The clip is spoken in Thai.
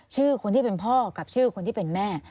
ชื่อคนที่เป็นพ่อกับชื่อคนที่เป็นแม่